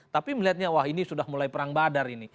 tapi melihatnya wah ini sudah mulai perang badar ini